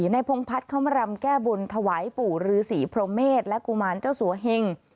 พงพัฒน์เข้ามารำแก้บนถวายปู่ฤษีพรหมเมษและกุมารเจ้าสัวเฮง